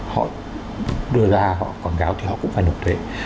họ đưa ra họ quảng cáo thì họ cũng phải nộp thuế